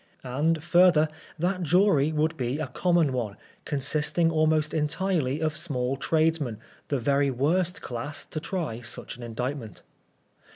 And, further, that jury would be a common one, consisting almost entirely of small tradesmen, the very worst class to try such aa indictment.